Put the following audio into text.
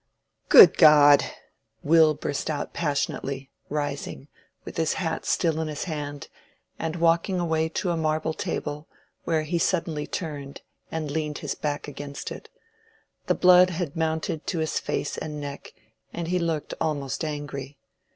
"Good God!" Will burst out passionately, rising, with his hat still in his hand, and walking away to a marble table, where he suddenly turned and leaned his back against it. The blood had mounted to his face and neck, and he looked almost angry.